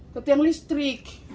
ke tiang listrik